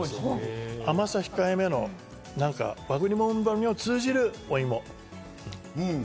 甘さ控え目の和栗モンブランに通じるお芋。